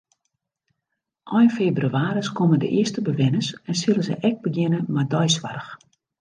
Ein febrewaris komme de earste bewenners en sille se ek begjinne mei deisoarch.